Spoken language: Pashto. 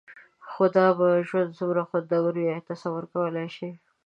خو دا ژوند به څومره خوندور وي؟ ایا تصور یې کولای شئ؟